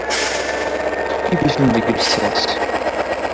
Kifkif-iten deg llsas.